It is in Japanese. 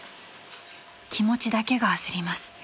［気持ちだけが焦ります］